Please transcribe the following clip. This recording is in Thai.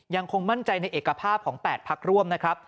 ยังคงมั่นใจในเอกภาพของ๘พักร่วมนะครับ